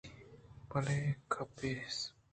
بلے کپیس